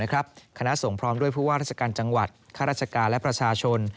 คณะสงฆ์พร้อมด้วยผู้ว่าราชการจังหวัดข้าราชการและประชาชน